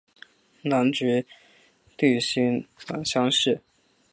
南直隶辛卯乡试。